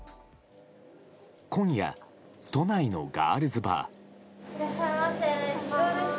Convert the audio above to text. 今夜、都内のガールズバー。